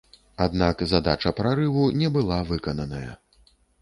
Аднак задача прарыву не была выкананая.